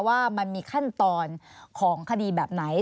ว่ามันมีขั้นตอนของคดีแบบไหน